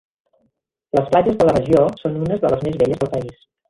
Les platges de la regió són unes de les més belles del país.